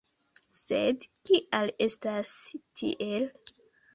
Sed kial estas tiel?